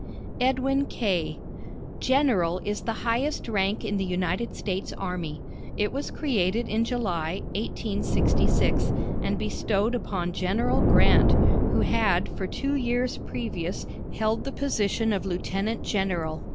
EDWIN K. "General" is the highest rank in the United States army. It was created in July, 1866, and bestowed upon General Grant, who had for two years previous held the position of Lieutenant General.